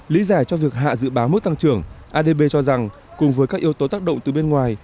lý giải cho việc hạ dự báo mức tăng trưởng adb cho rằng cùng với các yếu tố tác động từ bên ngoài